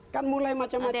kan mulai macam macam